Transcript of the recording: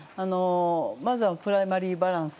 まず、プライマリーバランス。